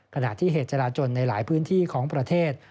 ขณะที่เหตุจราจนในหลายพื้นที่ของประเทศ